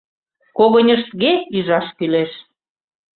Когыньыштге ӱжаш кӱлеш.